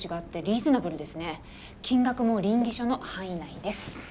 金額も稟議書の範囲内です。